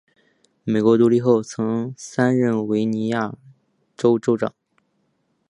美国独立后曾三任维吉尼亚州州长。